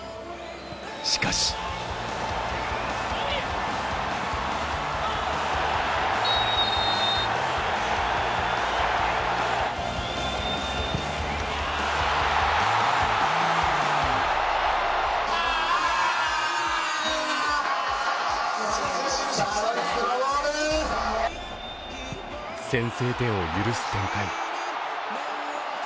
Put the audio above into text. しかし先制点を許す展開。